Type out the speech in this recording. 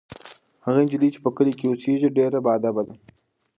هغه نجلۍ چې په کلي کې اوسیږي ډېره باادبه ده.